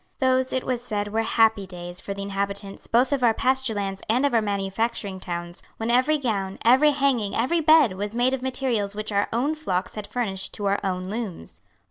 Those, it was said, were happy days for the inhabitants both of our pasture lands and of our manufacturing towns, when every gown, every hanging, every bed, was made of materials which our own flocks had furnished to our own looms.